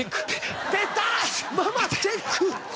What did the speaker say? ママチェック。